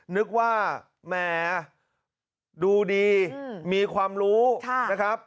นึกว่าแหมดูดีมีความรู้นะครับ